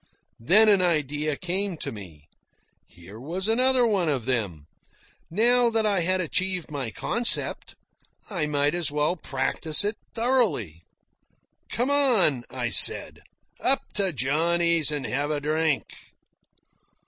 Then an idea came to me. Here was another one of them. Now that I had achieved my concept, I might as well practise it thoroughly. "Come on," I said, "up to Johnny's and have a drink."